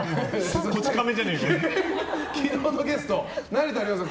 昨日のゲスト、成田凌さん